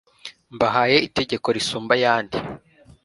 mbahaye itegeko risumba ayandi